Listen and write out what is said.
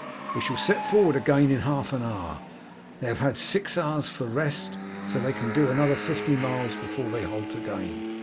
We shall set forward again in half an hour. They have had six hours for rest, so they can do another fifty miles before they halt again.